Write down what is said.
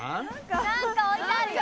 なんか置いてあるよ。